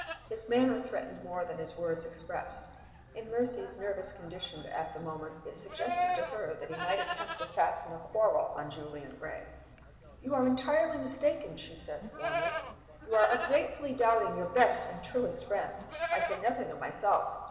His manner threatened more than his words expressed. In Mercy's nervous condition at the moment, it suggested to her that he might attempt to fasten a quarrel on Julian Gray. "You are entirely mistaken," she said, warmly. "You are ungratefully doubting your best and truest friend. I say nothing of myself.